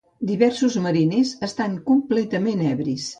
Diversos mariners estan completament ebris.